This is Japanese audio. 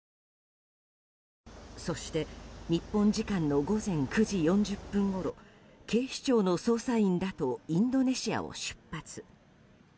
そして、日本時間の午前９時４０分ごろ警視庁の捜査員らとインドネシアを出発。